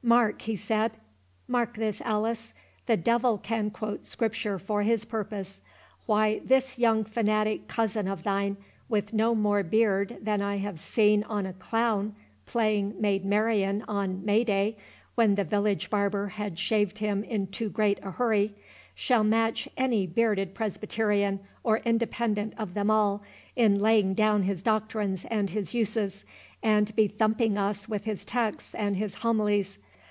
"Mark," he said, "mark this, Alice—the devil can quote Scripture for his purpose. Why, this young fanatic cousin of thine, with no more beard than I have seen on a clown playing Maid Marion on May day, when the village barber had shaved him in too great a hurry, shall match any bearded Presbyterian or Independent of them all, in laying down his doctrines and his uses, and bethumping us with his texts and his homilies.